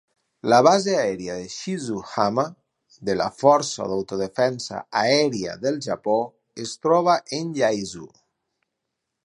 La base aèria de Shizuhama de la Força d'Autodefensa Aèria del Japó es troba en Yaizu.